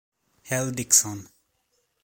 L. Dickson.